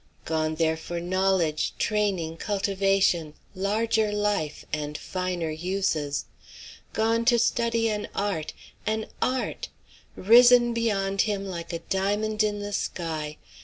Gone there for knowledge, training, cultivation, larger life, and finer uses! Gone to study an art, an art! Risen beyond him "like a diamond in the sky."